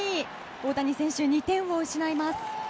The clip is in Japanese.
大谷選手、２点を失います。